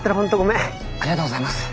ありがとうございます。